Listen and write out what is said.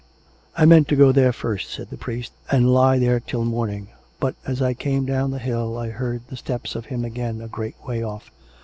417 " I meant to go there first," said the priest, " and lie there till morning. But as I came down the hill I heard the steps of him again a great way off.